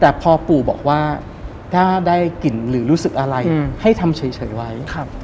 แต่พอปู่บอกว่าถ้าได้กลิ่นหรือรู้สึกอะไรให้ทำเฉยไว้